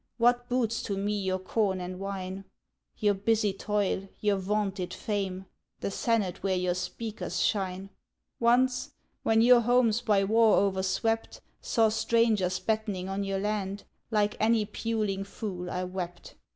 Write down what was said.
What boots to me your corn and wine, Your busy toil, your vaunted fame, The senate where your speakers shine? Once, when your homes, by war o'erswept, Saw strangers battening on your land, Like any puling fool, I wept!